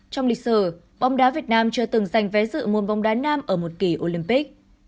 trong lịch sử bóng đá việt nam chưa từng giành vé dự môn bóng đá nam ở một kỳ olympic